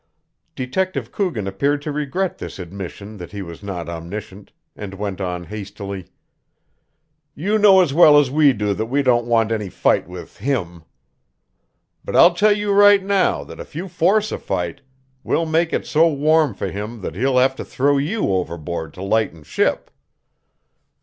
Detective Coogan appeared to regret this admission that he was not omniscient, and went on hastily: "You know as well as we do that we don't want any fight with him. But I'll tell you right now that if you force a fight, we'll make it so warm for him that he'll have to throw you overboard to lighten ship."